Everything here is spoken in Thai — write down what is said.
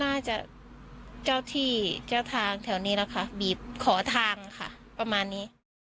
เจ้าที่เจ้าทางแถวนี้แหละค่ะบีบขอทางค่ะประมาณนี้